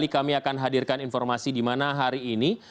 kami akan hadirkan informasi di mana hari ini